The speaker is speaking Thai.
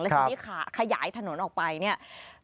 ทีนี้ขยายถนนออกไปเนี่ย